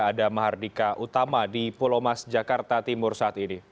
ada mahardika utama di pulau mas jakarta timur saat ini